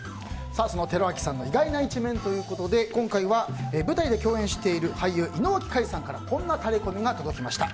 その寺脇さんの意外な一面ということで今回は、舞台で共演している俳優・井之脇海さんからこんなタレコミが届きました。